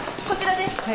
こちらです。